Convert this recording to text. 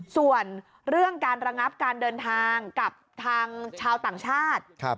ส่วนเรื่องการระงับการเดินทางกับทางชาวต่างชาติ